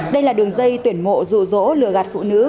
đây là đường dây tuyển mộ rụ rỗ lừa gạt phụ nữ